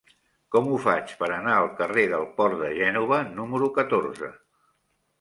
Com ho faig per anar al carrer del Port de Gènova número catorze?